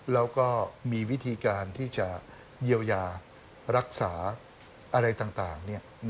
แล้วก็มีวิธีการที่จะเยียวยารักษาอะไรต่าง